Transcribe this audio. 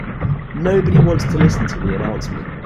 Nobody wants to listen to the announcement.